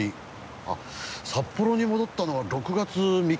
あっ札幌に戻ったのが６月３日でしたから。